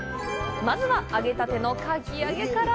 まずは、揚げたてのかき揚げから。